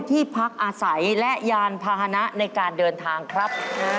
ที่พักอาศัยและยานพาหนะในการเดินทางครับ